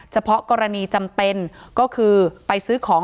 เฉพาะกรณีจำเป็นก็คือไปซื้อของ